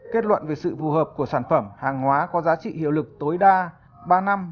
kết luận về sự phù hợp của sản phẩm hàng hóa có giá trị hiệu lực tối đa ba năm